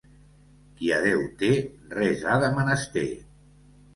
Qui a Déu té, res ha de menester.